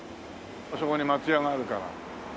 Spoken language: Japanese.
あそこに松屋があるから。